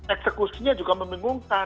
eksekusinya juga membingungkan